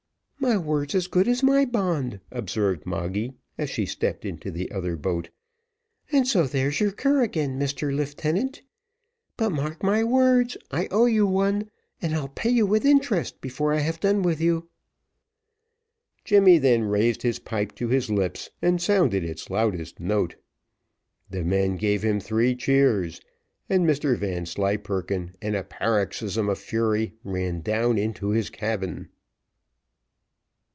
"My word's as good as my bond," observed Moggy, as she stepped into the other boat, "and so there's your cur again, Mr Leeftenant; but mark my words: I owe you one, and I'll pay you with interest before I have done with you." Jemmy then raised his pipe to his lips, and sounded its loudest note: the men gave him three cheers, and Mr Vanslyperken in a paroxysm of fury, ran down into his cabin.